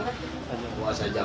pelaku yang pakai sejam